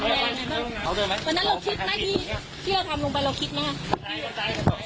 ตอนนั้นเราคิดไหมพี่เชื่อคำลงไปเราคิดไหมค่ะ